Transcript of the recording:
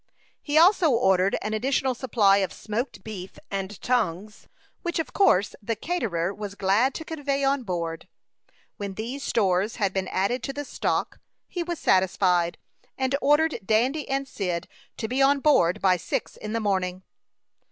He also ordered an additional supply of smoked beef and tongues, which, of course, the caterer was glad to convey on board. When these stores had been added to the stock, he was satisfied, and ordered Dandy and Cyd to be on board by six in the morning.